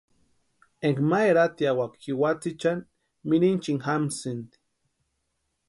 Énka ma eratiawaka jiwatsïchani mirinchini jamsïnti.